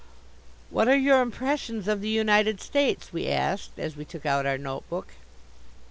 "What are your impressions of the United States?" we asked as we took out our notebook.